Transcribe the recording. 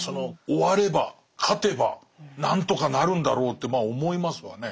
終われば勝てば何とかなるんだろうってまあ思いますわね。